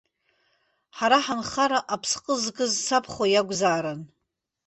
Ҳара ҳанхара аԥсҟы зкыз сабхәа иакәзаарын.